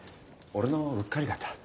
俺のうっかりだった。